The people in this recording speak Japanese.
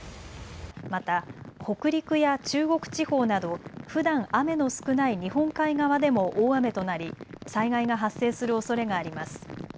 また北陸や中国地方などふだん雨の少ない日本海側でも大雨となり災害が発生するおそれがあります。